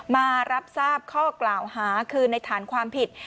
มารับทราบข้อกล่าวหาคือในฐานความผิด